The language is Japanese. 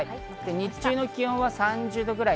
日中の気温は３０度ぐらい。